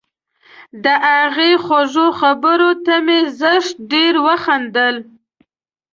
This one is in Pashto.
د هغې خوږو خبرو ته مې زښت ډېر وخندل